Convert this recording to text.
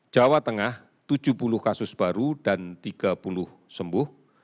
jawa tengah tujuh puluh kasus baru dan tiga puluh sembuh